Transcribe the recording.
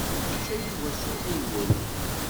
Yečča Yuba s uɣiwel.